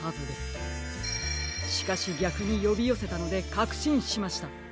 しかしぎゃくによびよせたのでかくしんしました。